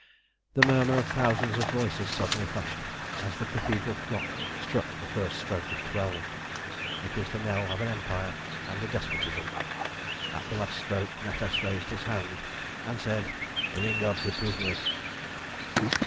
The murmur of thousands of voices suddenly hushed as the Cathedral clock struck the first stroke of twelve. It was the knell of an empire and a despotism. At the last stroke Natas raised his hand and said "Bring up the prisoners!"